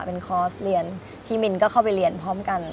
เป็นคอร์สเรียนที่มินก็เข้าไปเรียนพร้อมกัน